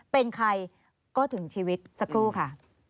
เป็นใครก็ถึงชีวิตสักครู่ค่ะ